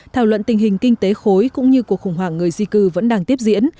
thảo luận tình hình kinh tế khối cũng như cuộc khủng hoảng người di cư vẫn đang tiếp diễn